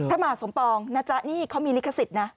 พระมหาสมปองนะจ๊ะนี่เขามีลิขสิทธิ์นะ